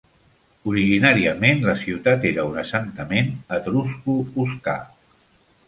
Originàriament, la ciutat era un assentament etrusco-oscà.